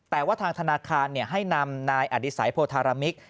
แต่ว่าทางธนาคารให้นำนายอดิสัยโพธารามิก